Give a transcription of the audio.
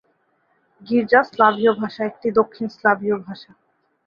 গির্জা স্লাভীয় ভাষা একটি দক্ষিণ স্লাভীয় ভাষা।